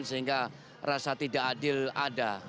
sehingga rasa tidak adil ada